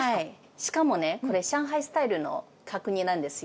しかもね、これ、上海スタイルの角煮なんですよ。